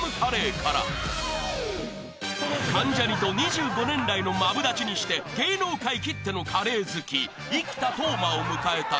［関ジャニと２５年来のマブダチにして芸能界きってのカレー好き生田斗真を迎えたこの回］